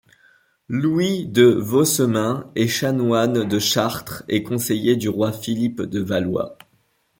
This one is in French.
Louis de Vaucemain est chanoine de Chartres et conseiller du roi Philippe de Valois.